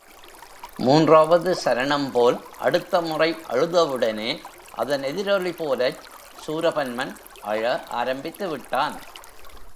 மூன்றாவது சரணம்போல் அடுத்த முறை அழுதவுடனே அதன் எதிரொலி போலச் சூரபன்மன் அழ ஆரம்பித்துவிட்டான்.